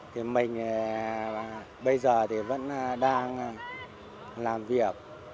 thì mình bây giờ thì vẫn đang làm việc